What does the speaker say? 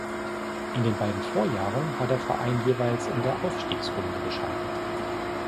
In den beiden Vorjahren war der Verein jeweils in der Aufstiegsrunde gescheitert.